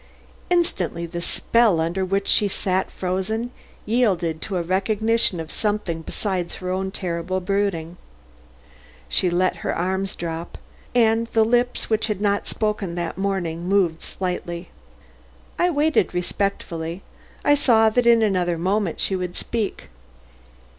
Instantly the spell under which she sat frozen yielded to a recognition of something besides her own terrible brooding. She let her arms drop, and the lips which had not spoken that morning moved slightly. I waited respectfully. I saw that in another moment she would speak.